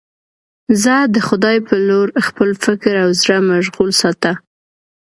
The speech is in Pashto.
زه د خدای په لور خپل فکر او زړه مشغول ساته.